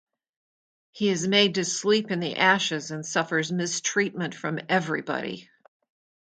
He is made to sleep in the ashes and suffers mistreatment from everybody.